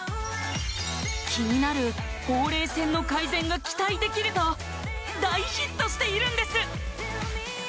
気になるほうれい線の改善が期待できると大ヒットしているんです